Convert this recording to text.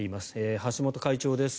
橋本会長です。